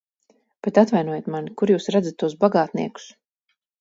Bet, atvainojiet mani, kur jūs redzat tos bagātniekus?